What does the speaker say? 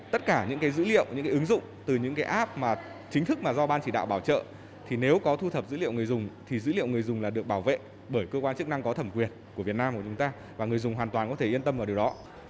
tất cả những dữ liệu những cái ứng dụng từ những cái app mà chính thức mà do ban chỉ đạo bảo trợ thì nếu có thu thập dữ liệu người dùng thì dữ liệu người dùng là được bảo vệ bởi cơ quan chức năng có thẩm quyền của việt nam của chúng ta và người dùng hoàn toàn có thể yên tâm vào điều đó